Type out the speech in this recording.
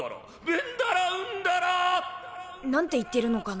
ベンダラウンダラ。なんて言ってるのかな？